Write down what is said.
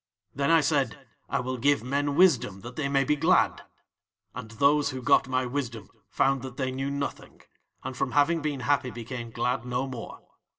"'Then I said: "I will give men wisdom that they may be glad." And those who got my wisdom found that they knew nothing, and from having been happy became glad no more.